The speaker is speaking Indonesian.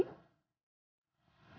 yang belum jelasin